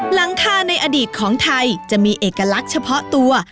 หลังคาในอดีตของไทยจะมีเอกลักษณ์เฉพาะตัว